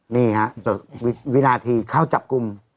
นี่ฮะวินาทีเข้าจับกลุ่ม